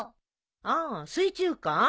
ああ水中花？